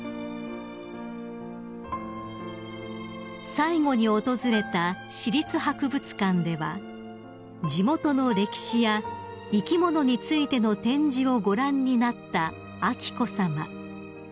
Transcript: ［最後に訪れた市立博物館では地元の歴史や生き物についての展示をご覧になった彬子さま］